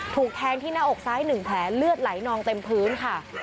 ถูกแทงที่หน้าอกซ้าย๑แผลเลือดไหลนองเต็มพื้นค่ะ